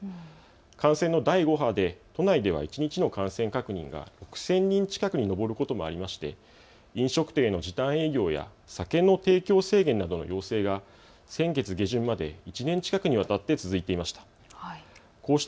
感染の第５波で都内では一日の感染確認が６０００人近くに上ることもありまして飲食店への時短営業や酒の提供制限などの要請が先月下旬まで１年近くにわたって続いていました。